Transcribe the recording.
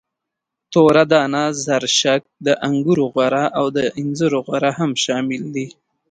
توره دانه، زرشک، د انګورو غوره او د انځرو غوره هم شامل دي.